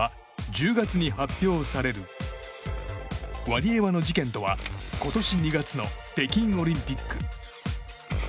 ワリエワの事件とは今年２月の北京オリンピック。